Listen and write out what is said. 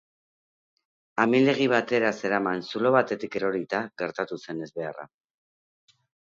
Amildegi batera zeraman zulo batetik erorita gertatu zen ezbeharra.